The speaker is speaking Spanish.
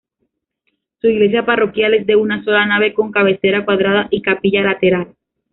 Su iglesia parroquial es de una sola nave, con cabecera cuadrada y capilla lateral.